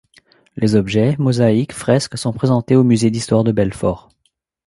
Les objets, mosaïques, fresques sont présentées au musée d'histoire de Belfort.